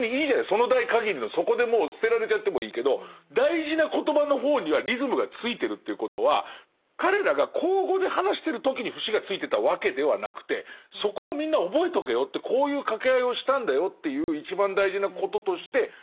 その代限りのそこでもう捨てられちゃってもいいけど大事な言葉の方にはリズムがついてるということは彼らが口語で話してる時に節がついてたわけではなくてそこをみんな覚えとけよってこういう掛け合いをしたんだよっていう一番大事なこととして。